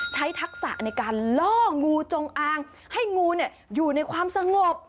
ทักษะในการล่องูจงอางให้งูอยู่ในความสงบ